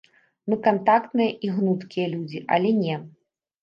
Мы кантактныя і гнуткія людзі, але не!